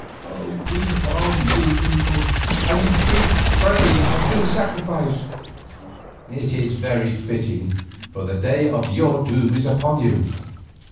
Weep on, ye people, and ye priests pray and do sacrifice; it is very fitting, for the day of your doom is upon you.